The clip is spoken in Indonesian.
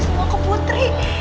semua ke putri